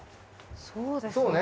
そうですね。